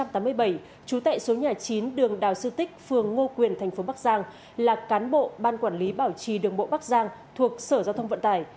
trú tại số nhà chín đường đào sư tích phường ngô quyền thành phố bắc giang là cán bộ ban quản lý bảo trì đường bộ bắc giang thuộc sở giao thông vận tải